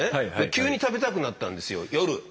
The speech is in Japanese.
急に食べたくなったんですよ夜。